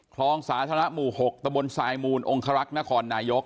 ครองสาธารณะม๖ตมสายโมนอโยงค์ฮรักษณะคนายก